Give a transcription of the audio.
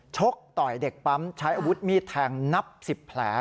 ชกต่อยเด็กปั๊มใช้อาวุธมีดแทงนับ๑๐แผล